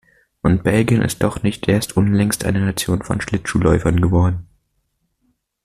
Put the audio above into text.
Und Belgien ist doch nicht erst unlängst eine Nation von Schlittschuhläufern geworden.